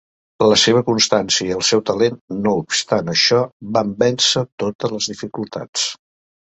La seva constància i el seu talent, no obstant això, van vèncer totes les dificultats.